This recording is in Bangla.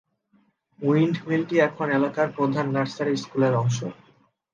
উইণ্ডমিলটি এখন এলাকার প্রধান নার্সারি স্কুলের অংশ।